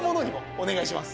お願いします。